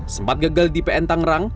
sempat gagal di pn tangerang